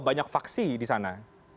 banyak vaksi di sana